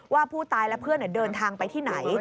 ว่าผู้ตายและเพื่อนเดินทางไปที่ไหน